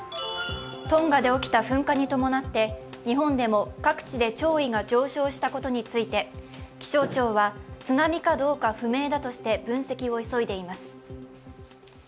トンガで起きた噴火に伴って日本でも各地で潮位が上昇したことについて気象庁は、津波かどうか不明だとして分析を急いでいます。